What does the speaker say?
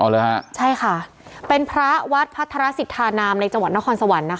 ใช่ค่ะใช่ค่ะเป็นพระวัดพัทรสิทธานามในจังหวัดนครสวรรค์นะคะ